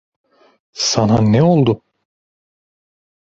Sana ne oldu?